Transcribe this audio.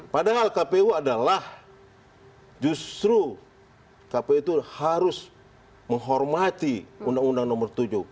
padahal kpu adalah justru kpu itu harus menghormati undang undang nomor tujuh